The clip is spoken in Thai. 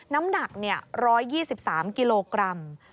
น้ำหนัก๑๒๓กิโลกรัม